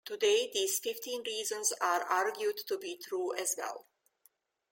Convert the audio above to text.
Today, these fifteen reasons are argued to be true as well.